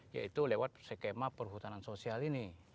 yaitu lewat skema perhutanan sosial ini